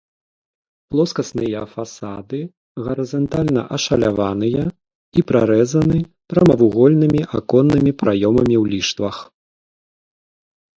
Плоскасныя фасады гарызантальна ашаляваныя і прарэзаны прамавугольнымі аконнымі праёмамі ў ліштвах.